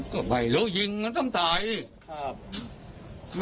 ก็ไม่รู้ยิงมันต้องตายอีก